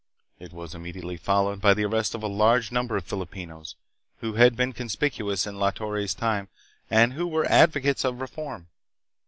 It was immediately followed by the arrest of a large number of Filipinos who had been conspicuous in La Torre's time and who were advocates of reform.